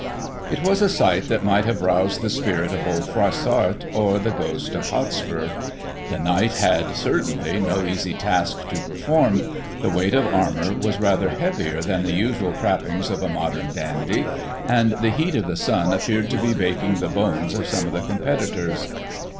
It was a sight that might have roused the spirit of old Froissart, or the ghost of Hotspur. The Knight had, certainly, no easy task to perform; the weight of armour was rather heavier than the usual trappings of a modem dandy, and the heat of the sun appeared to be baking the bones of some of the competitors.